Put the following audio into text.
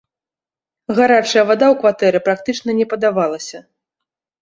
Гарачая вада ў кватэры практычна не падавалася.